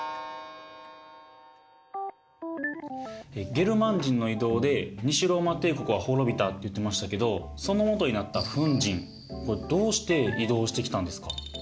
ゲルマン人の移動で西ローマ帝国は滅びたって言ってましたけどそのもとになったフン人どうして移動してきたんですか？